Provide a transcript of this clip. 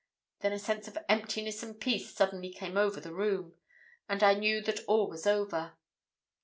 Then a sense of emptiness and peace suddenly came over the room, and I knew that all was over.